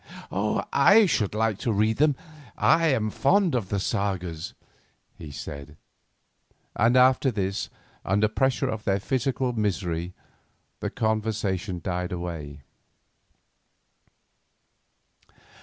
"I should like to read them; I am fond of the sagas," he said, and after this, under pressure of their physical misery, the conversation died away.